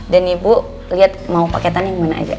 dan ibu liat mau paketan yang mana aja